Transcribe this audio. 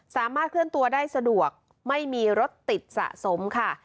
สามารถเคลื่อนตัวได้สะดวกไม่มีรถติดสะสมค่ะ